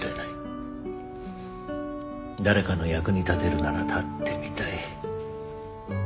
「誰かの役に立てるなら立ってみたい」